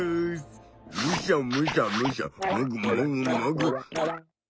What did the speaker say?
むしゃむしゃむしゃもぐもぐもぐ。